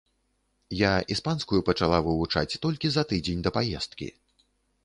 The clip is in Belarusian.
Я іспанскую пачала вывучаць толькі за тыдзень да паездкі.